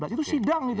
itu sidang itu